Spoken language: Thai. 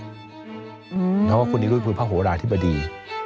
เพราะว่าคุณนิรุธคือพระโหราธิบดี